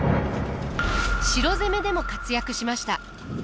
城攻めでも活躍しました。